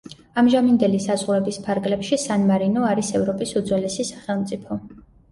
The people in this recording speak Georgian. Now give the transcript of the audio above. ამჟამინდელი საზღვრების ფარგლებში სან-მარინო არის ევროპის უძველესი სახელმწიფო.